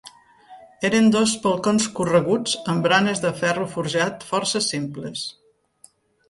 Eren dos balcons correguts amb baranes de ferro forjat força simples.